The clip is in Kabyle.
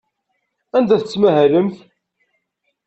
Anda tettmahalemt?